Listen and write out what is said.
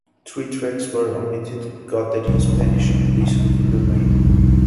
Three tracks were omitted: "Catherine", "Spanish", and "Listen to the Rain".